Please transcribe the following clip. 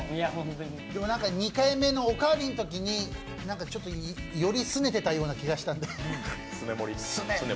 でも２回目、おかわりのときに何かちょっとよりすねてたような気がしたのですね